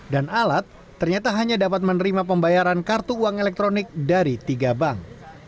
dan alat ternyata hanya dapat menerima pembayaran kartu uang elektronik dari tiga bank